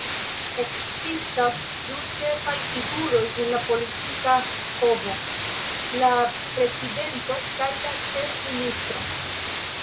Ekzistas du ĉefaj figuroj en la politika povo: la prezidento kaj la ĉefministro.